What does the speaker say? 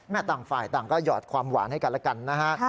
ต่างฝ่ายต่างก็หยอดความหวานให้กันแล้วกันนะฮะ